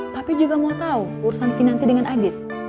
tapi juga mau tahu urusan kinanti dengan adit